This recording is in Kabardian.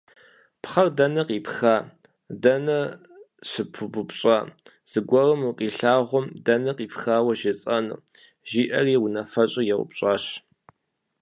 «Пхъэр дэнэ къипха, дэнэ щыпыбупщӏа, зыгуэрым укъилъагъум дэнэ къипхауэ жесӏэну?» – жиӏэри унафэщӏыр еупщӏащ.